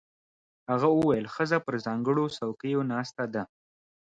هغه وویل ښځه پر ځانګړو څوکیو ناسته ده.